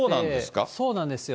そうなんですよ。